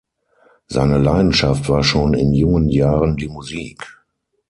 Seine Leidenschaft war schon in jungen Jahren die Musik.